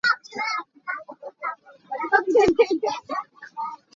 Nangmah can ah ahodah a ra lai.